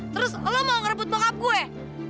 terus lo mau ngerebut mokap gue